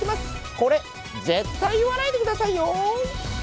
これ、絶対言わないでくださいよ！